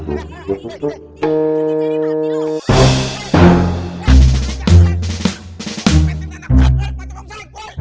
aduh itu congwar lu bau banget